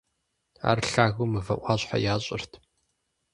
Ар лъагэу мывэ Ӏуащхьэ ящӀырт.